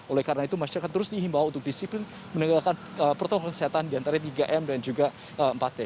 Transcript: oleh karena itu masyarakat terus dihimbau untuk disiplin menegakkan protokol kesehatan diantara tiga m dan juga empat t